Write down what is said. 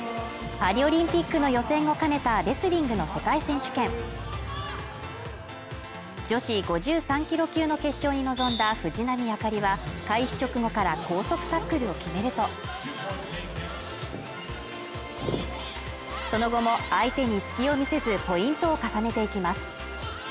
パリオリンピックの予選を兼ねたレスリングの世界選手権女子５３キロ級の決勝に臨んだ藤波朱理は開始直後から高速タックルを決めるとその後も相手に隙を見せずポイントを重ねていきます